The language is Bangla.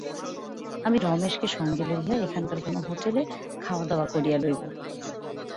আমি রমেশকে সঙ্গে লইয়া এখানকার কোনো হোটেলে খাওয়া-দাওয়া করিয়া লইব।